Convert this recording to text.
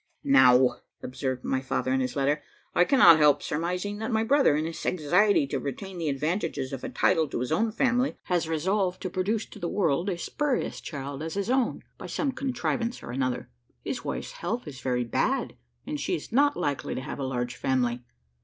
"Now," observed my father, in his letter, "I cannot help surmising, that my brother, in his anxiety to retain the advantages of a title to his own family, has resolved to produce to the world a spurious child as his own, by some contrivance or another. His wife's health is very bad, and she is not likely to have a large family.